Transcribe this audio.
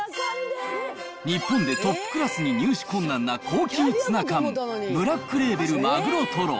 日本でトップクラスに入手困難な高級ツナ缶、ブラックレーベル鮪とろ。